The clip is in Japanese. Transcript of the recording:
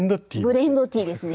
ブレンドティーですね。